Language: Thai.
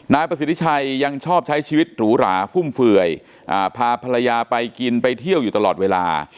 นายประสิทธิชัยยังชอบใช้ชีวิตหรูหราฟุ่มเฟื่อยพาภรรยาไปกินไปเที่ยวอยู่ตลอดเวลา